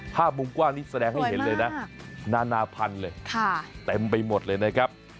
ห้ามุมกว้างนี้แสดงให้เห็นเลยเต็มไปหมดเลยนะครับ